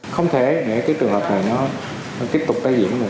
không thể nghĩa cái trường hợp này nó tiếp tục cái diễn